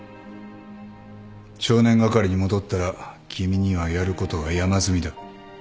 少年係に戻ったら君にはやることが山積みだ。